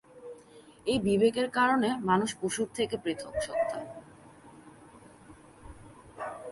এই বিবেকের কারণে মানুষ পশুর থেকে পৃথক সত্তা।